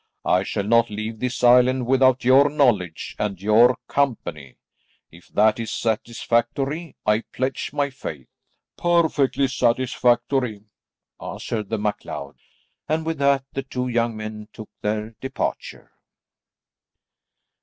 I shall not leave this island without your knowledge and your company. If that is satisfactory, I pledge my faith." "Perfectly satisfactory," answered the MacLeod, and with that the two young men took their departure.